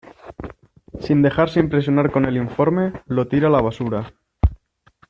Sin dejarse impresionar con el informe, lo tira a la basura.